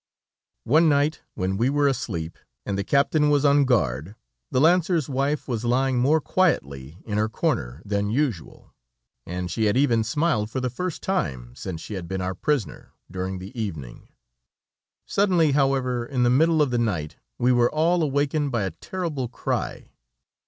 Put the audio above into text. One night when we were asleep, and the captain was on guard, the lancer's wife was lying more quietly in her corner than usual, and she had even smiled for the first time since she had been our prisoner, during the evening. Suddenly, however, in the middle of the night, we were all awakened by a terrible cry.